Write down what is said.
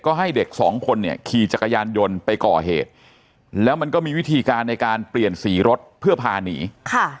ก็ให้เด็กสองคนเนี่ยขี่จักรยานยนต์ไปก่อเหตุแล้วมันก็มีวิธีการในการเปลี่ยนสีรถเพื่อพาหนีค่ะ